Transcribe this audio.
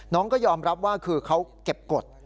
น้องก็ยอมรับว่าคือเขาเก็บกฎ